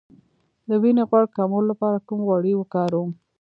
د وینې غوړ کمولو لپاره کوم غوړي وکاروم؟